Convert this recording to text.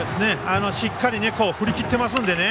しっかり振りきってますのでね。